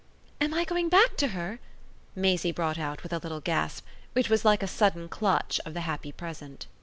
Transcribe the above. "Am I going back to her?" Maisie brought out with a little gasp which was like a sudden clutch of the happy present.